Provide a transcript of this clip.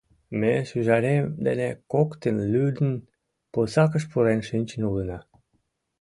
Ме, шӱжарем дене коктын, лӱдын, пусакыш пурен шинчын улына.